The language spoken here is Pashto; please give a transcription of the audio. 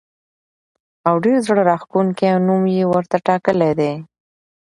او ډېر زړه راښکونکی نوم یې ورته ټاکلی دی.